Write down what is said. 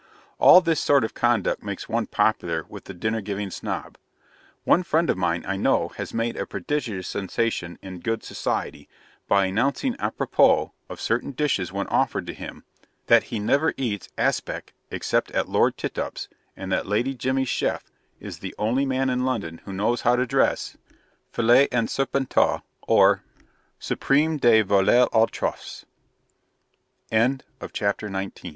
All this sort of conduct makes one popular with the Dinner giving Snob. One friend of mine, I know, has made a prodigious sensation in good society, by announcing apropos of certain dishes when offered to him, that he never eats aspic except at Lord Tittup's, and that Lady Jimmy's CHEF is the only man in London who knows how to dress FILET EN SERPENTEAU or SUPREME DE VOLAILLE AUX TRUFFES. CHAPTER XX DINNER GIVING SNOBS FURTH